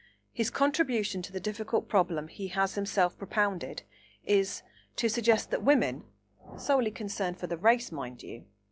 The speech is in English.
His contribution to the difficult problem he has himself propounded is, to suggest that women (solely concerned for the race, mind you!)